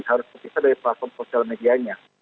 harus terpisah dari platform sosial medianya